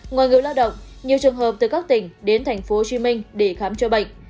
ngoài người lao động nhiều trường hợp từ các tỉnh đến tp hcm để khám chữa bệnh